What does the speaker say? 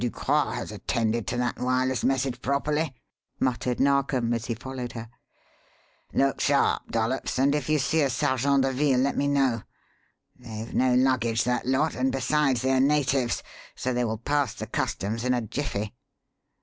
Ducroix has attended to that wireless message properly," muttered Narkom as he followed her. "Look sharp, Dollops, and if you see a Sergeant de Ville let me know. They've no luggage, that lot, and, besides, they are natives, so they will pass the customs in a jiffy.